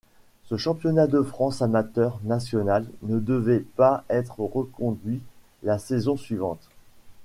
Ce championnat de France amateurs national ne devait pas être reconduit la saison suivante.